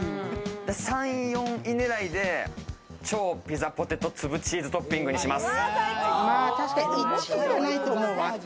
３位、４位狙いで超ピザポテト粒チーズトッピングにします。